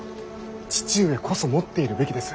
父上こそ持っているべきです。